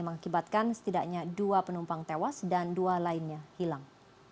mengakibatkan setidaknya dua penumpang tewas dan dua lainnya hilang